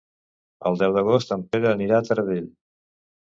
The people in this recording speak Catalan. El deu d'agost en Pere anirà a Taradell.